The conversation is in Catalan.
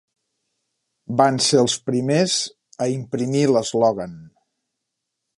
Van ser els primers a imprimir l'eslògan.